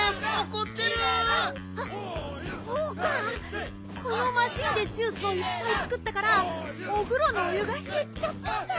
このマシンでジュースをいっぱいつくったからおふろのお湯がへっちゃったんだ！